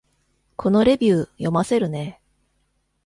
このレビュー、読ませるね